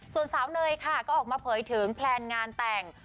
ส่วนสาวเนยค่ะก็ออกมาเผยถึงแพลนงานแต่ง